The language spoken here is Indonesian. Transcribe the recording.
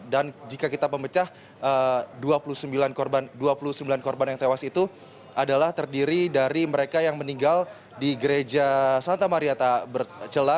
dan jika kita memecah dua puluh sembilan korban yang tewas itu adalah terdiri dari mereka yang meninggal di gereja santa marieta bercela